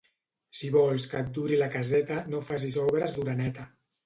Si vols que et duri la caseta, no facis obres d'oreneta.